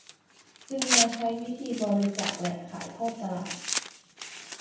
จึงมาใช้วิธีบริจาคและขายทอดตลาด